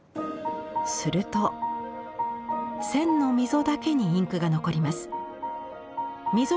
すると線の溝だけにインクが残ります。